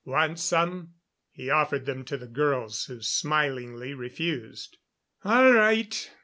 "Want some?" He offered them to the girls, who smilingly refused. "All right.